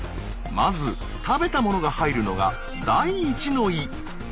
まず食べたものが入るのが第一の胃。